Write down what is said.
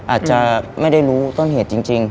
อาจจะไม่ได้รู้ต้นเหตุจริง